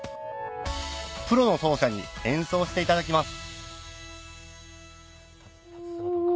プロの奏者に演奏していただきます